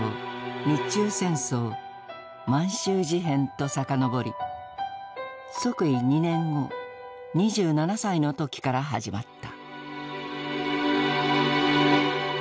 日中戦争満州事変と遡り即位２年後２７歳の時から始まった。